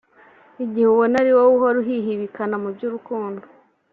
Igihe ubona ari wowe uhora uhihibikana mu by’urukundo